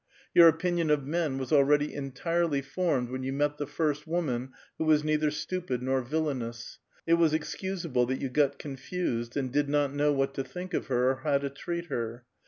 Your opinion of men was already en tirely formed when you met the first woman who was neither stupid nor villanous ; it was excusable that you got confused and did not know what to think of her or how to treat her.